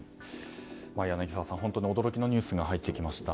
柳澤さん、本当に驚きのニュースが入ってきました。